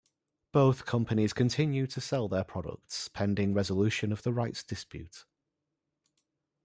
Both companies continue to sell their products, pending resolution of the rights dispute.